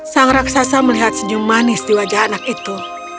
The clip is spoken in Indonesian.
sang raksasa melihat senyum manis di wajah anak itu